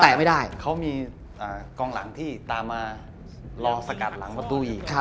เพราะว่าเขามีกองหลังที่ตามมารอสกัดหลังประตูอีก